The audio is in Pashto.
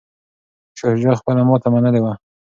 شاه شجاع خپله ماته منلې وه.